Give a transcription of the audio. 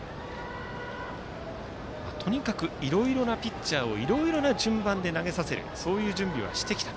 とにかくいろいろなピッチャーをいろいろ名順番で投げさせる準備はしてきた。